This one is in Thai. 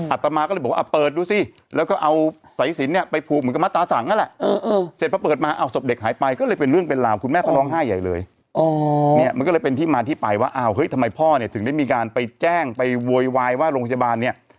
อัตมาก็เลยบอกว่าเปิดดูสิแล้วก็เอาสายสินไปผูกเหมือนกับมัตตาสั่งนั่นแหละ